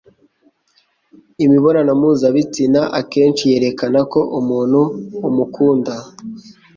Imibonano mpuzabitsina akenshi yerekana ko umuntu umukunda